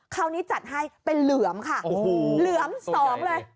คราวนี้จัดให้เป็นเหลือมค่ะเหลือมสองเลย